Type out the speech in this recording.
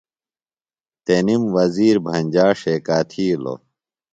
تنِم وزیر بھنجا ݜیکا تِھیلوۡ۔